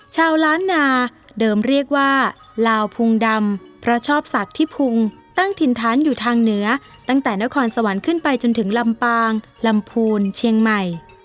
ชาวล้านนาเดิมเรียกว่าลาวพุงดำเพราะชอบสัตว์ที่พุงตั้งถิ่นฐานอยู่ทางเหนือตั้งแต่นครสวรรค์ขึ้นไปจนถึงลำปางลำพูนเชียงใหม่